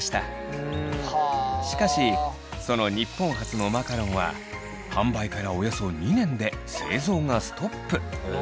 しかしその日本初のマカロンは販売からおよそ２年で製造がストップ。